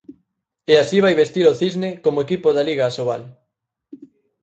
E así vai vestir o Cisne como equipo da Liga Asobal.